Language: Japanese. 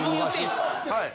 はい。